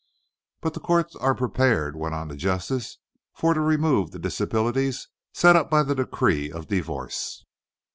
"But the co't air prepared," went on the Justice, "fur to remove the disabilities set up by the decree of divo'ce.